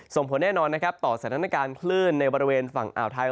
ผลแน่นอนนะครับต่อสถานการณ์คลื่นในบริเวณฝั่งอ่าวไทย